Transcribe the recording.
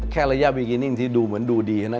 ระยะบีกินิ่งที่ดูเหมือนดูดีเท่านั้น